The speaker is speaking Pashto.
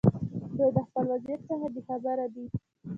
دوی د خپل وضعیت څخه بې خبره دي.